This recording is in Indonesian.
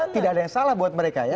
tidak ada yang salah buat mereka ya